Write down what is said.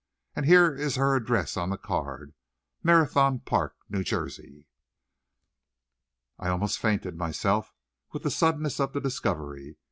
And here is her address on the card; Marathon Park, New Jersey." I almost fainted, myself, with the suddenness of the discovery.